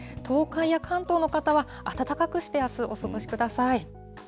東海や関東の方は暖かくしてあす、お過ごしください。